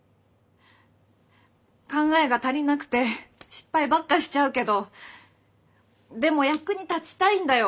考えが足りなくて失敗ばっかしちゃうけどでも役に立ちたいんだよ。